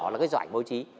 là cái giỏ ảnh báo chí